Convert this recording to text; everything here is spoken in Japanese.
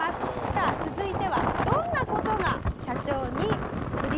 さあ続いてはどんな事が社長に降り注ぐのか？